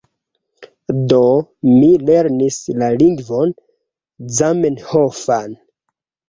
Do, mi lernis la lingvon Zamenhofan.